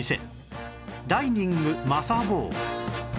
ダイニングまさ坊